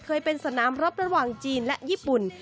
เคยเป็นสนามรบระหว่างจีนและญี่ปุ่น